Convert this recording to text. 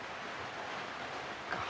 họ không yêu